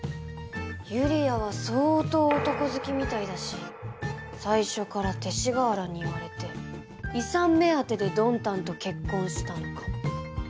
ユリアは相当男好きみたいだし最初から勅使川原に言われて遺産目当てでドンタンと結婚したのかも。